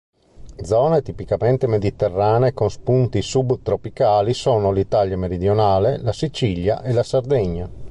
Zone tipicamente mediterranee con spunti subtropicali sono l'Italia meridionale, la Sicilia e la Sardegna.